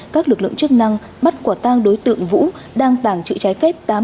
các lực lượng chức năng bắt quả tang đối tượng vũ đang tàng trữ trái phép